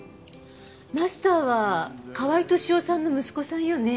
マスターは河合敏夫さんの息子さんよね。